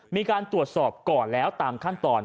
มีการตรวจสอบก่อนแล้วตามขั้นตอน